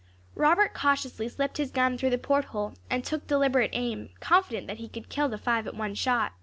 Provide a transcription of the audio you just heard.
Robert cautiously slipped his gun through the port hole, and took deliberate aim, confident that he could kill the five at one shot.